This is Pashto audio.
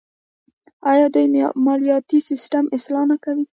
آیا دوی مالیاتي سیستم اصلاح نه کوي؟